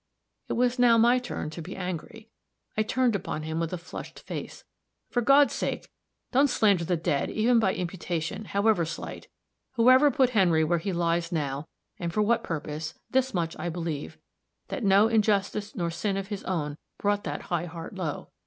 It was now my turn to be angry; I turned upon him with a flushed face: "For God's sake, don't slander the dead, even by imputation, however slight. Whoever put Henry where he lies now, and for what purpose, this much I believe that no injustice nor sin of his own brought that high heart low.